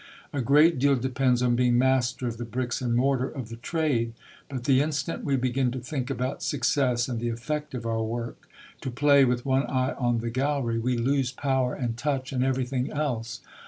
A great deal depends on being master of the bricks and mortar of the trade. But the instant we begin to think about success and the effect of our work to play with one eye on the gallery we lose power and touch and everything else....